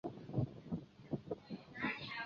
最终需要举行长久的筹组联合政府谈判。